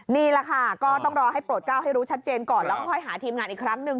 นี่แหละค่ะก็ต้องรอให้โปรดก้าวให้รู้ชัดเจนก่อนแล้วค่อยหาทีมงานอีกครั้งหนึ่ง